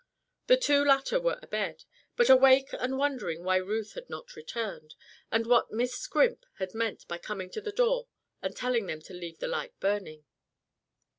The two latter were abed, but awake and wondering why Ruth had not returned, and what Miss Scrimp had meant by coming to the door and telling them to leave the light burning.